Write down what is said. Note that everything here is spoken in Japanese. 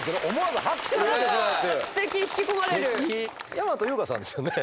大和悠河さんですよね？